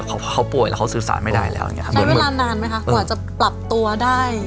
เค้าป่วยแล้วเค้าสื่อสานไม่ได้แล้วอย่างนี้